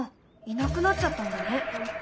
いなくなっちゃったんだね。